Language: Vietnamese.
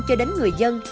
cho đến người dân